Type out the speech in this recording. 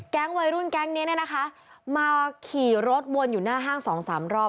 แก๊งวัยรุ่นแก๊งนี้นะคะมาขี่รถวนอยู่หน้าห้าง๒๓รอบ